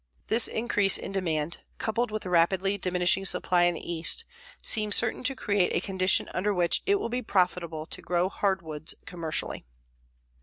This increase in demand, coupled with the rapidly diminishing supply in the East, seems certain to create a condition under which it will be profitable to grow hardwoods commercially.